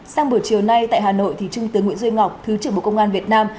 sang buổi chiều nay tại hà nội trung tướng nguyễn duy ngọc thứ trưởng bộ công an việt nam